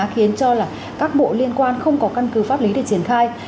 khiến cho các bộ liên quan không có căn cứ pháp lý để triển khai